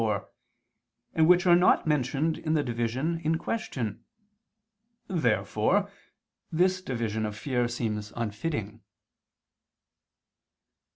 4), and which are not mentioned in the division in question. Therefore this division of fear seems unfitting.